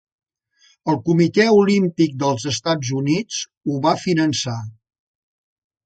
El Comitè Olímpic dels Estats Units ho va finançar.